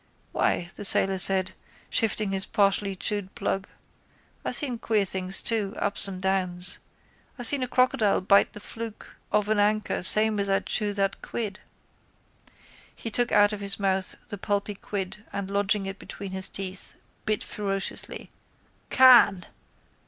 —Why, the sailor said, shifting his partially chewed plug. I seen queer things too, ups and downs. I seen a crocodile bite the fluke of an anchor same as I chew that quid. He took out of his mouth the pulpy quid and, lodging it between his teeth, bit ferociously: —Khaan!